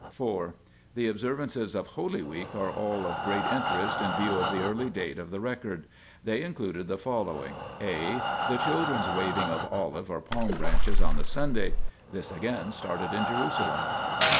4. The observances of Holy Week are all of great interest in view of the early date of the record. They included the following : (a) The children's waving of olive or palm branches on the Sunday. This, again, started at Jerusalem.